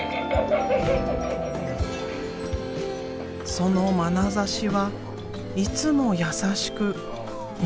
そのまなざしはいつも優しく見つめている。